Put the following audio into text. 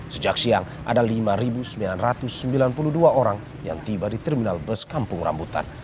sejak siang ada lima sembilan ratus sembilan puluh dua orang yang tiba di terminal bus kampung rambutan